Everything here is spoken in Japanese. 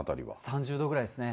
３０度ぐらいですね。